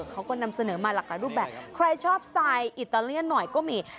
เขาก็นำเสนอมาหลากหลายรูปแบบใครชอบทรายอิตาเลียนหน่อยก็มี